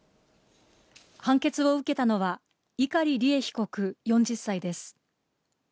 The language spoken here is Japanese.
判決を受けたのは、碇利恵被告４０歳です。